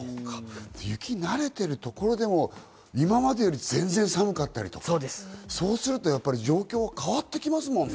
雪に慣れているところでも、今までよりも全然寒かったりですとか、そうすると状況は変わってきますもんね。